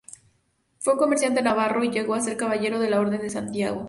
Fue un comerciante navarro, y llegó a ser caballero de la Orden de Santiago.